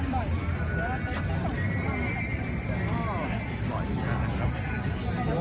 แม่กับผู้วิทยาลัย